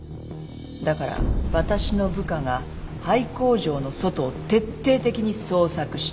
だからわたしの部下が廃工場の外を徹底的に捜索した。